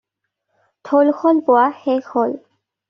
ঢোল-খোল বোৱা শেষ হ'ল।